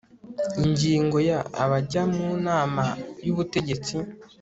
ingingo ya abajya mu nama y ubutegetsi